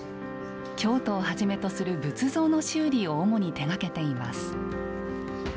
京都をはじめとする仏像の修理を主に手がけています。